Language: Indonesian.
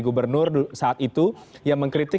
gubernur saat itu yang mengkritik